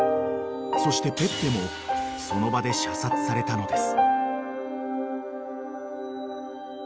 ［そしてペッペもその場で射殺されたのです］